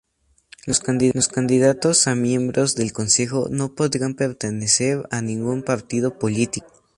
Los candidatos a miembros del Consejo no podrán pertenecer a ningún partido político.